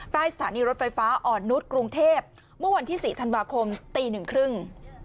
สถานีรถไฟฟ้าอ่อนนุษย์กรุงเทพเมื่อวันที่๔ธันวาคมตีหนึ่งครึ่ง